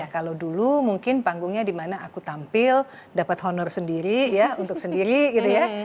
kalau dulu mungkin panggungnya dimana aku tampil dapat honor sendiri ya untuk sendiri gitu ya